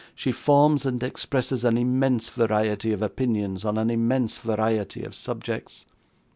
She forms and expresses an immense variety of opinions on an immense variety of subjects.